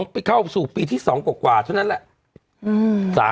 ไปเข้าสู่ปีที่๒กว่าเท่านั้นแหละ